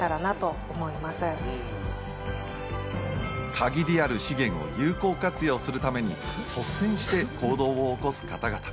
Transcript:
限りある資源を有効活用するために率先して行動を起こす方々。